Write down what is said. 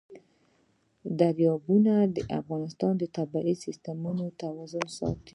دریابونه د افغانستان د طبعي سیسټم توازن ساتي.